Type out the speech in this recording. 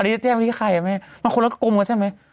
อันนี้แจ้งที่ใครไหมคนละกลมใช่ไหม